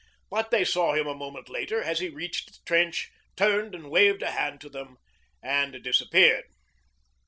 But they saw him a moment later as he reached the trench, turned and waved a hand to them, and disappeared.